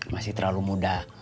masih terlalu muda